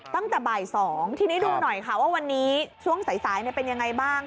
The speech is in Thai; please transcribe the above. ตั้งแต่บ่าย๒ทีนี้ดูหน่อยค่ะว่าวันนี้ช่วงสายเป็นยังไงบ้าง